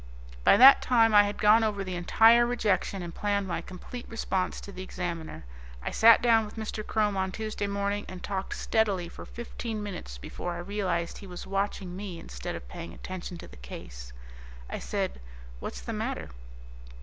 By that time I had gone over the entire rejection and planned my complete response to the Examiner. I sat down with Mr. Krome on Tuesday morning and talked steadily for fifteen minutes before I realized he was watching me instead of paying attention to the case. I said, "What's the matter."